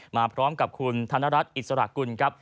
มาพร้อมกับคุณธนรัฐอิสระกุลครับ